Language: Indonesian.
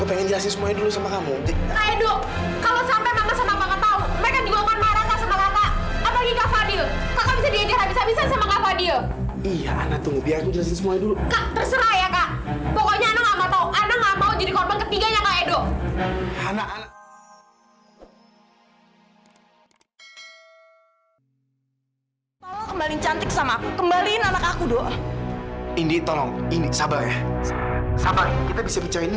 pokoknya anak gak mau tau anak gak mau jadi korban ketiganya kak edo